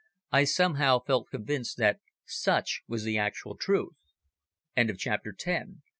I somehow felt convinced that such was the actual truth. CHAPTER ELEVEN.